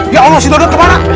ya allah si dodot ke mana